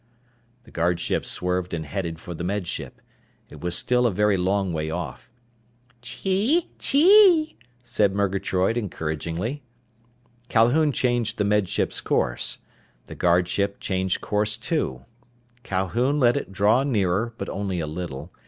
The guard ship swerved and headed for the Med Ship. It was still a very long way off. "Chee chee," said Murgatroyd encouragingly. Calhoun changed the Med Ship's course. The guard ship changed course too. Calhoun let it draw nearer, but only a little.